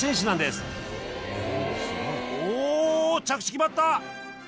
着地決まった！